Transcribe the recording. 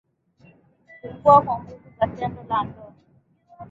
kupungua kwa guvu za tendo la ndoa